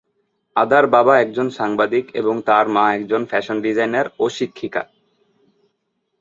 আদার বাবা একজন সাংবাদিক এবং তার মা একজন ফ্যাশন ডিজাইনার ও শিক্ষিকা।